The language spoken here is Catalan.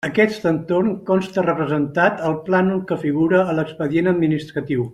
Aquest entorn consta representat al plànol que figura a l'expedient administratiu.